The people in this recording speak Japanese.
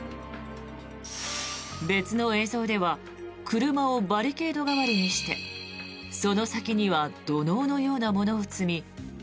別の映像では車をバリケード代わりにしてその先には土のうのようなものを積み